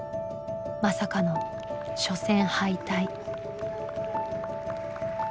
まさかの初戦敗退。